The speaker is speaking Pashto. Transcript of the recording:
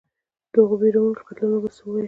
د هغو وېروونکو قتلونو به څه ووایې.